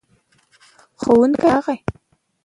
ښوونکی راغی.